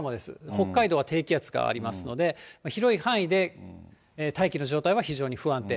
北海道は低気圧がありますので、広い範囲で大気の状態は非常に不安定。